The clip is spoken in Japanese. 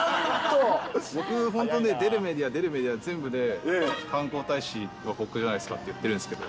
僕、本当出るメディア、出るメディア、全部で、観光大使僕じゃないですかって言ってるんですけど。